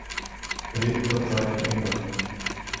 Er lebt zurzeit in England.